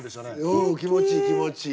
うん気持ちいい気持ちいい。